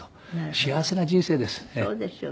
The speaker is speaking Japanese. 「幸せな人生です」